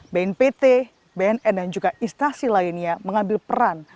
bnpt bnn dan juga instasi lainnya mengambil peran